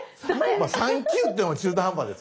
まあ３級っていうのも中途半端ですけどね。